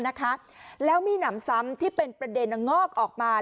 นะคะแล้วมีหนำซ้ำที่เป็นประเด็นงอกออกมา